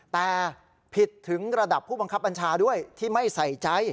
แต่ผิดถึงระดับผู้บังคับบัญชาด้วยที่ไม่ใส่ใจ